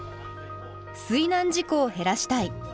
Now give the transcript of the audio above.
水難事故を減らしたい。